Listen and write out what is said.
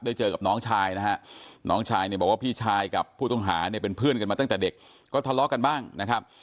เจอกับน้องชายนะฮะน้องชายเนี่ยบอกว่าพี่ชายกับผู้ต้องหาเนี่ยเป็นเพื่อนกันมาตั้งแต่เด็กก็ทะเลาะกันบ้างนะครับ